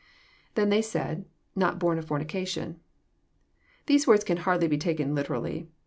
[^Then said they„.not horn of fornication.'] These words can hardly be taken literally.